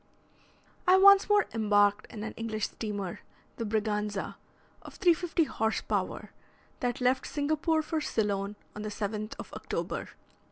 I once more embarked in an English steamer, the "Braganza," of 350 horse power, that left Singapore for Ceylon on the 7th of October.